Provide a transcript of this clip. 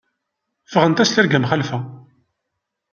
Ffɣent-as tirga mxalfa.